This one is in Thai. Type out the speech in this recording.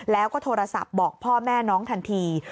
แล้วก็โทรศัพท์บอกพ่อแม่น้องทันที